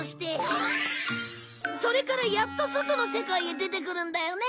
それからやっと外の世界へ出てくるんだよね。